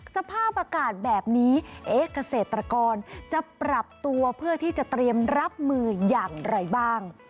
สภาพอากาศแบบนี้เกษตรกรจะปรับตัวเพื่อที่จะเตรียมรับมืออย่างไรบ้าง